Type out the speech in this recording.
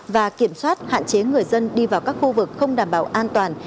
và kiểm soát hạn chế người dân đi vào các khu vực không đảm bảo an toàn